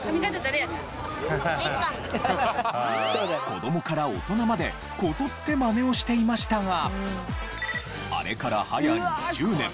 子供から大人までこぞってマネをしていましたがあれからはや２０年。